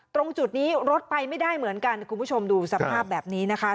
ตรงจุดนี้รถไปไม่ได้เหมือนกันคุณผู้ชมดูสภาพแบบนี้นะคะ